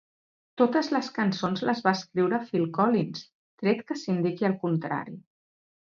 Totes les cançons les va escriure Phil Collins, tret que s'indiqui el contrari.